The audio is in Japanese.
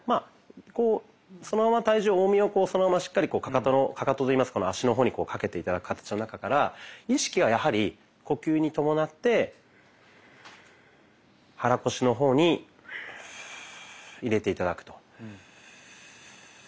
そのまま体重重みをそのまましっかり足の方にかけて頂く形の中から意識はやはり呼吸に伴って肚腰の方に入れて頂くと。